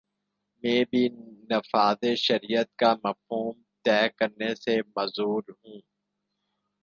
میں بھی نفاذ شریعت کا مفہوم طے کرنے سے معذور ہوں۔